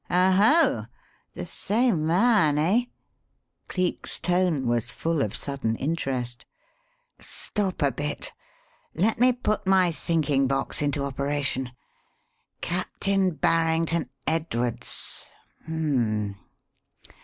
"Oho! the same man, eh?" Cleek's tone was full of sudden interest. "Stop a bit! Let me put my thinking box into operation. Captain Barrington Edwards hum m m!